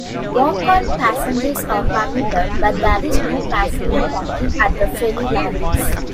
Walk-on passengers are permitted, but there is no passenger parking at the ferry landings.